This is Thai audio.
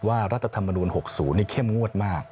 รัฐธรรมนูล๖๐นี่เข้มงวดมาก